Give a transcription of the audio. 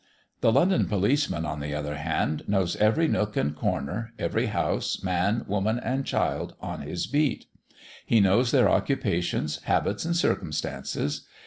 The London policeman, on the other hand, knows every nook and corner, every house, man, woman, and child on his beat. He knows their occupations, habits, and circumstances.